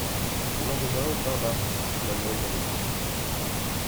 Le lendemain vingt mars, la neige avait cessé.